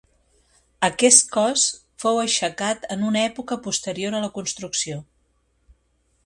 Aquest cos fou aixecat en una època posterior a la construcció.